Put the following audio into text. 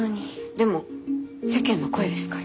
でも世間の声ですから。